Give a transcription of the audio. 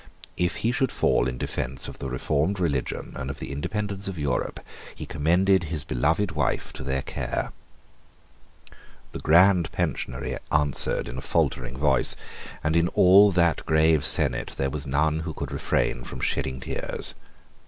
If he should fall in defence of the reformed religion and of the independence of Europe, he commended his beloved wife to their care. The Grand Pensionary answered in a faltering voice; and in all that grave senate there was none who could refrain from shedding tears.